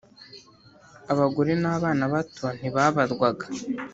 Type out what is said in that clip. abagore n abana bato ntibabarwaga